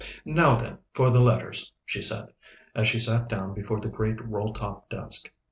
"Now, then, for the letters," she said, as she sat down before the great roll top desk.